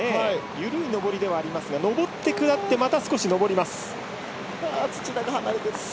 緩い上りではありますが上って下ってまた少し上ります。